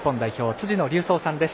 辻野隆三さんです。